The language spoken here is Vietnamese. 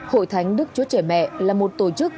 hội thánh đức chúa trẻ mẹ là một tổ chức